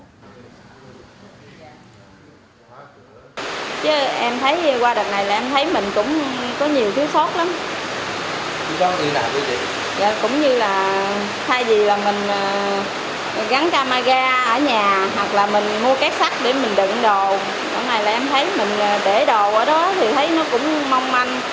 chứ em thấy qua đợt này là em thấy mình cũng